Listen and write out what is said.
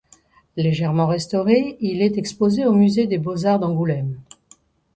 Légèrement restauré, il est exposé au Musée des beaux-arts d'Angoulême.